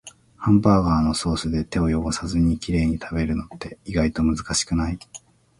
ハンバーガーをソースで手を汚さずにきれいに食べるのって、意外と難しくない？